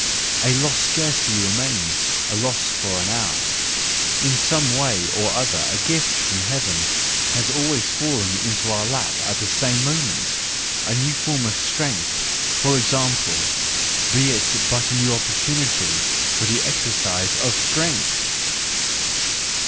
A loss scarcely remains a loss for an hour: in some way or other a gift from heaven has always fallen into our lap at the same moment—a new form of strength, for example: be it but a new opportunity for the exercise of strength!